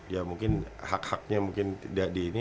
ya mungkin hak haknya mungkin tidak di ini